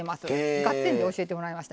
「ガッテン！」で教えてもらいました。